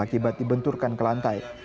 akibat dibenturkan ke lantai